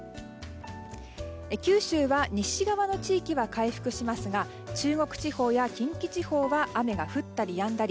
九州は西側の地域は回復しますが中国地方や近畿地方は雨が降ったりやんだり。